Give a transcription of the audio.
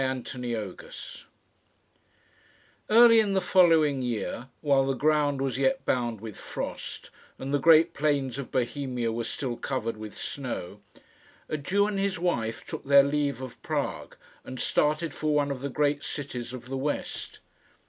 CHAPTER XVI Early in the following year, while the ground was yet bound with frost, and the great plains of Bohemia were still covered with snow, a Jew and his wife took their leave of Prague, and started for one of the great cities of the west.